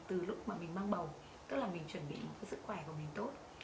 từ lúc mà mình mang bầu tức là mình chuẩn bị một cái sức khỏe của mình tốt